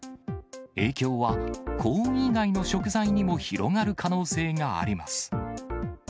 影響は、コーン以外の食材にも広がる可能性があります。